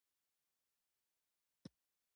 له حده ډېر په چا باور مه کوه.